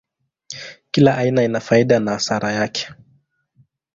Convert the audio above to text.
Kila aina ina faida na hasara yake.